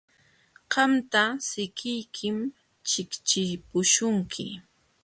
Qamta sikiykim chiqchipuśhunki.